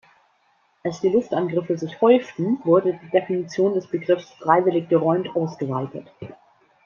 Als die Luftangriffe sich häuften, wurde die Definition des Begriffs „freiwillig geräumt“ ausgeweitet.